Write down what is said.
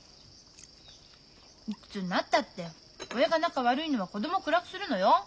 いくつになったって親が仲悪いのは子供を暗くするのよ。